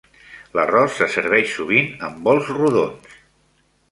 L'arròs se serveix sovint en bols rodons.